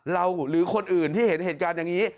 หรือคนอื่นที่เห็นเหตุการณ์อย่างนี้